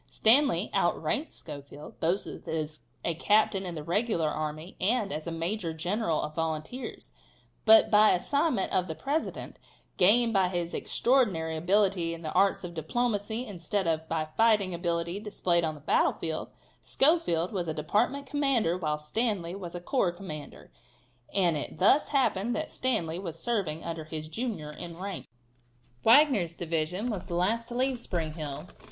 Stanley outranked Schofield, both as a captain in the regular army and as a major general of volunteers, but by assignment of the President, gained by his extraordinary ability in the arts of diplomacy instead of by fighting ability displayed on the battle field, Schofield was a department commander while Stanley was a corps commander, and it thus happened that Stanley was serving under his junior in rank. Wagner's division was the last to leave Spring Hill.